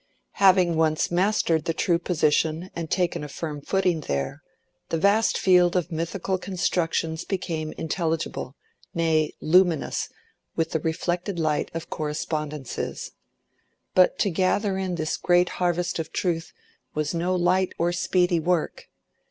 Having once mastered the true position and taken a firm footing there, the vast field of mythical constructions became intelligible, nay, luminous with the reflected light of correspondences. But to gather in this great harvest of truth was no light or speedy work.